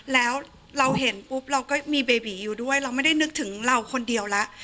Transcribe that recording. แล้วเราเห็นปุ๊บเราก็มีเบบีอยู่ด้วยเราไม่ได้นึกถึงเราคนเดียวแล้ว